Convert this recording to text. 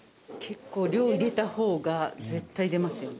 結構量入れた方が絶対出ますよ。